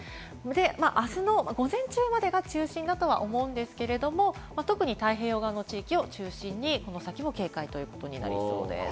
あすの午前中までが中心だとは思うんですけれども、特に太平洋側の地域を中心にこの先も警戒ということになりそうです。